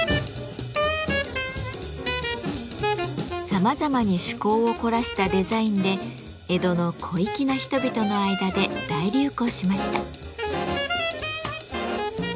さまざまに趣向を凝らしたデザインで江戸の小粋な人々の間で大流行しました。